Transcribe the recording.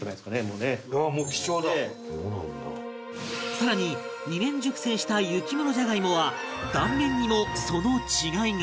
さらに２年熟成した雪室じゃがいもは断面にもその違いが